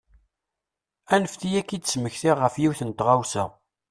Anfet-iyi ad k-id-smektiɣ ɣef yiwet n tɣawsa.